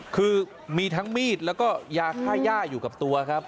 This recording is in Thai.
คือมีทั้งมีดแล้วก็ยาค่าย่าอยู่กับตัวครับ